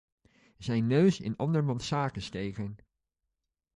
Zijn neus in andermans zaken steken.